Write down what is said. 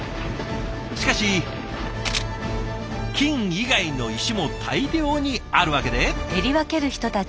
しかし金以外の石も大量にあるわけで。